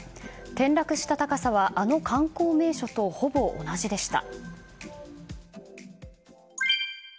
転落した高さはあの観光名所とほぼ同じでした。